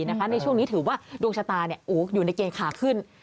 ในช่วงนี้ถือว่าดวงชะตาอยู่ในเกณฑ์ขาขึ้น